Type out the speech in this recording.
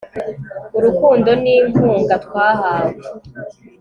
urukundo n'inkunga twahawe